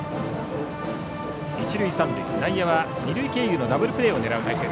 内野は二塁経由のダブルプレーを狙う体制。